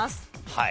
はい。